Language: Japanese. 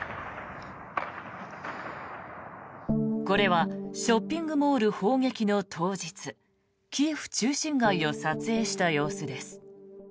これはショッピングモール砲撃の当日キエフ中心街を撮影した様子です。